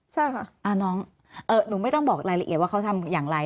ใช่ค่ะน้องหนูไม่ต้องบอกรายละเอียดว่าเขาทำอย่างไร